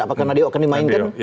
apakah nadio akan dimainkan